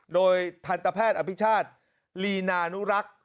โดยทันตแพทย์อภิชาติลีนานุรักษ์